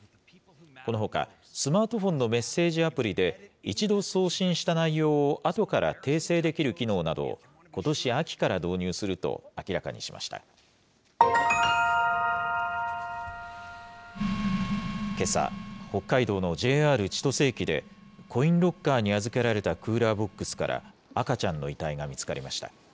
このほか、スマートフォンのメッセージアプリで、一度送信した内容をあとから訂正できる機能などを、ことし秋からけさ、北海道のＪＲ千歳駅でコインロッカーに預けられたクーラーボックスから、赤ちゃんの遺体が見つかりました。